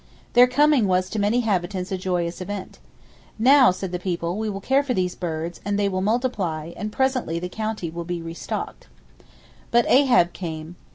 Their coming was to many habitants a joyous event. "Now," said the People, "we will care for these birds, and they will multiply, and presently the county will be restocked." But Ahab came!